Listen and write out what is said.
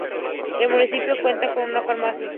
El municipio cuenta con una farmacia.